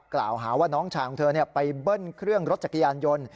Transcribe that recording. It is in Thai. กล่าวหาว่าน้องชายของเธอไปเบิ้ลเครื่องรถจักรยานยนต์